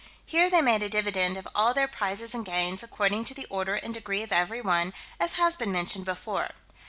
Here they made a dividend of all their prizes and gains, according to the order and degree of every one, as has been mentioned before.